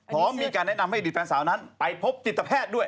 พร้อมมีการแนะนำให้อดีตแฟนสาวนั้นไปพบจิตแพทย์ด้วย